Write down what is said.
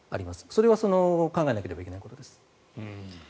それは考えなければいけないことです。